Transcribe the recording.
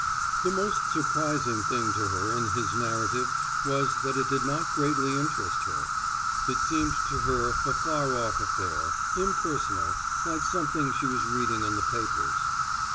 The most surprising thing to her in his narrative was that it did not more greatly interest her. It seemed to her a far off affair, impersonal, like something she was reading in the papers.